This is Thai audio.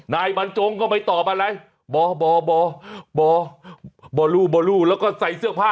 นายบันจงก็ไม่ตอบอะไรบ่อบ่อบ่อบ่อบ่อรู้บ่อรู้แล้วก็ใส่เสื้อผ้า